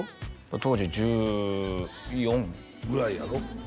当時１４？ぐらいやろ？